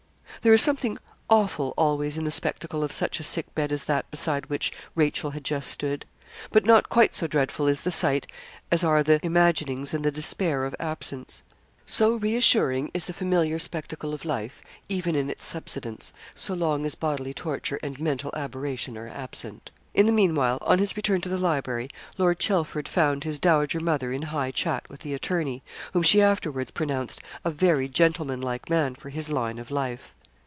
There is something awful always in the spectacle of such a sick bed as that beside which Rachel had just stood. But not quite so dreadful is the sight as are the imaginings and the despair of absence. So reassuring is the familiar spectacle of life, even in its subsidence, so long as bodily torture and mental aberration are absent. In the meanwhile, on his return to the library, Lord Chelford found his dowager mother in high chat with the attorney, whom she afterwards pronounced 'a very gentlemanlike man for his line of life.'